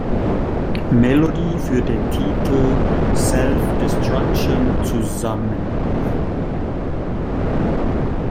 Melodie für den Titel "Self Destruction" zusammen.